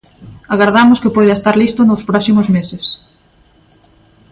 Agardamos que poida estar listo nos próximos meses.